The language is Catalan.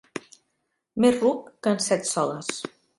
Més ruc que en Set-soles.